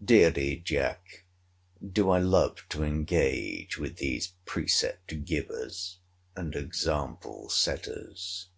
Dearly, Jack, do I love to engage with these precept givers, and example setters.